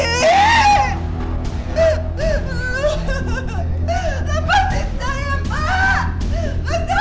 lepas istilah ya pak